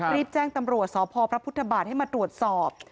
รีบแจ้งตำรวจสพพระพุทธบาทให้มาตรวจสอบ